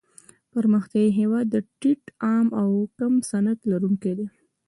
پرمختیايي هېوادونه د ټیټ عاید او کم صنعت لرونکي دي.